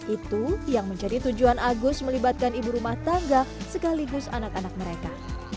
itu yang menjadi tujuan agus melibatkan ibu rumah tangga sekaligus anak anak mereka